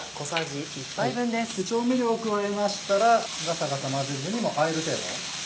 調味料を加えましたらガサガサ混ぜずにあえる程度。